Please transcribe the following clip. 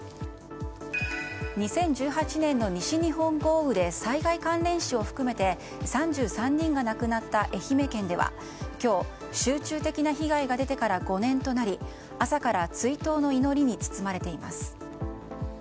２０１８年の西日本豪雨で災害関連死を含めて３３人が亡くなった愛媛県では今日、集中的な被害が出てから５年となり朝から追悼の祈りに包まれています。